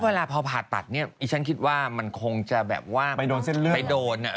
เพราะเวลาพอผ่าตัดเนี่ยฉันคิดว่ามันคงจะแบบว่าไปโดน